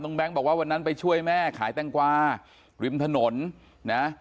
น้องแบงค์บอกว่าวันนั้นไปช่วยแม่ขายแตงกวาริมถนน